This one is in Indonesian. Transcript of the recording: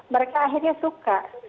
mereka akhirnya suka